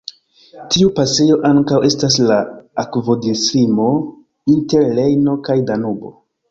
Tiu pasejo ankaŭ estas la akvodislimo inter Rejno kaj Danubo.